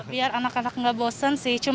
biar anak anak tidak bosan sih